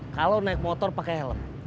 kalau naik motor pakai helm